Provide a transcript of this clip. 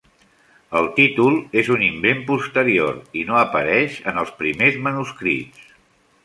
El títol és un invent posterior i no apareix en els primers manuscrits.